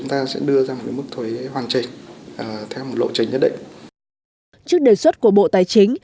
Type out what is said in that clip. trước đề xuất của bộ tài chính